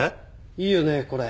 いいよねこれ。